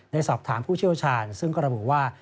ได้สอบถามผู้เชี่ยวชาญซึ่งก็ระบุว่า